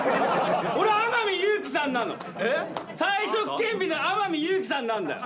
才色兼備な天海祐希さんなんだよ。